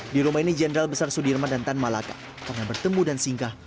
di rumah ini jenderal besar sudirman dantan malaka pernah bertemu dan singgah